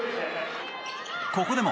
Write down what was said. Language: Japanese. ここでも。